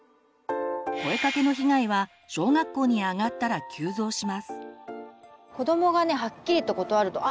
「声かけ」の被害は小学校に上がったら急増します。